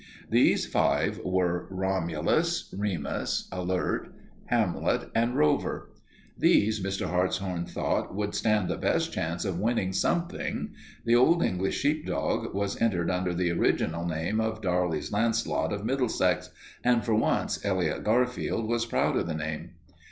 These five were Romulus, Remus, Alert, Hamlet, and Rover. These Mr. Hartshorn thought would stand the best chance of winning something. The Old English sheepdog was entered under his original name of Darley's Launcelot of Middlesex, and for once Elliot Garfield was proud of the name.